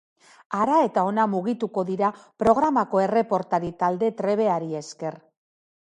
Hara eta hona mugituko dira programako erreportari talde trebeari esker.